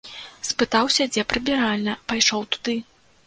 Спытаўся, дзе прыбіральня, пайшоў туды.